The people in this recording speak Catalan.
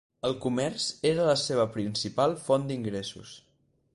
El comerç era la seva principal font d'ingressos.